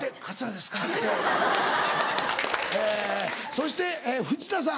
そして富士田さん。